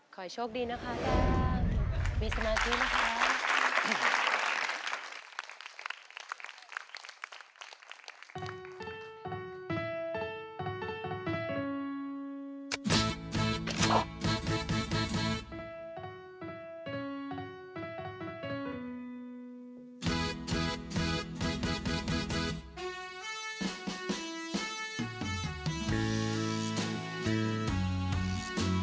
ขอให้โชคดีนะครับมีสมาธินะครับ